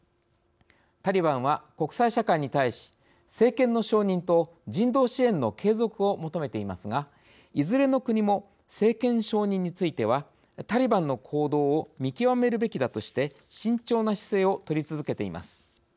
タリバンは国際社会に対し政権の承認と人道支援の継続を求めていますがいずれの国も政権承認についてはタリバンの行動を見極めるべきだとして慎重な姿勢を取り続けています。